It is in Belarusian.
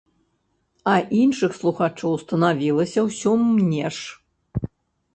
А іншых слухачоў станавілася ўсё мнеш.